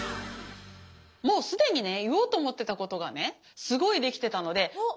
もう既にね言おうと思ってたことがねすごいできてたのでまとめます。